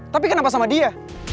tapi kenapa sama dia